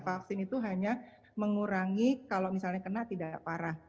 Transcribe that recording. vaksin itu hanya mengurangi kalau misalnya kena tidak parah